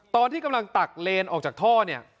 ตอนที่กำลังตักเลนออกจากท่อเนี่ย